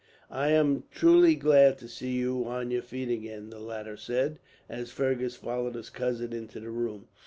"I am truly glad to see you on your feet again," the latter said, as Fergus followed his cousin into the room.